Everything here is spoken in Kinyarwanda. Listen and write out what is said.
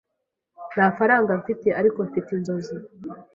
Nta faranga mfite, ariko mfite inzozi.